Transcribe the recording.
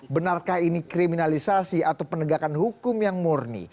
benarkah ini kriminalisasi atau penegakan hukum yang murni